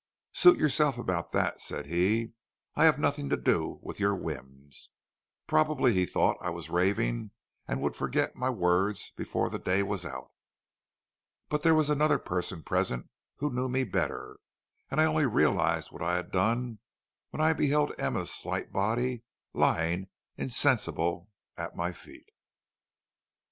'Suit yourself about that,' said he, 'I have nothing to do with your whims.' Probably he thought I was raving and would forget my words before the day was out. "But there was another person present who knew me better, and I only realized what I had done when I beheld Emma's slight body lying insensible at my feet."